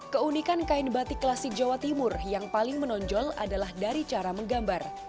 keunikan kain batik klasik jawa timur yang paling menonjol adalah dari cara menggambar